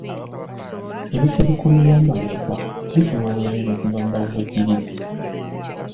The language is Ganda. Ebifo ebikuumirwamu bamulekwa bifuna obuyambi okuva mu bavujjirizi.